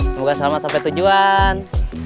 semoga selamat sampai tujuan